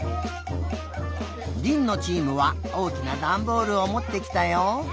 りんのチームはおおきなダンボールをもってきたよ。